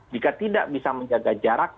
jika tidak bisa menjaga jarak